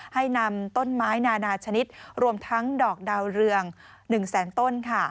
ให้นำต้นไม้นานาชนิดรวมทั้งดอกดาวเรือง๑แสนต้น